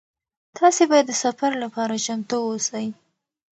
تاسي باید د سفر لپاره چمتو اوسئ.